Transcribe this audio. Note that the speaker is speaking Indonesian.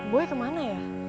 boy kemana ya